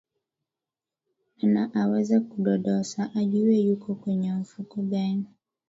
na aweze kudodosa ajue yuko kwenye mfuko gani